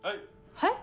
はい？